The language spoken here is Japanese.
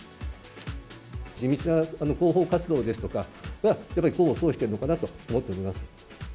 地道な広報活動ですとかが、やっぱり功を奏しているのかなと思っています。